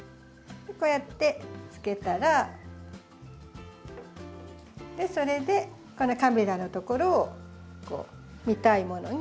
こうやってつけたらそれでこのカメラのところをこう見たいものに。